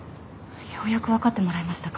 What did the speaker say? ようやく分かってもらえましたか。